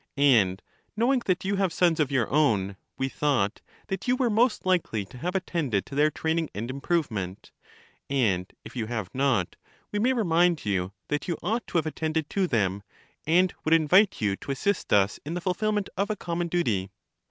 And knowing that you have sons of your own, we thought that you were most likely to have attended to their training 87 88 LACHES and improvement, and, if you have not, we may re mind you that you ought to have attended to them, and would invite you to assist us in the fulfilment of a common duty.